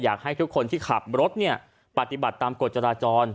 อยากให้ทุกคนที่ขับรถปฏิบัติตามกฎจราจร